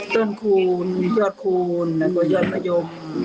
ต้นคูณยอดคูณยอดประยม